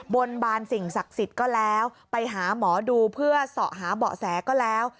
บนบานสิ่งศักดิ์สิทธิ์ก็แล้วไปหาหมอดูเพื่อเสาะหาเบาะแสก็แล้ว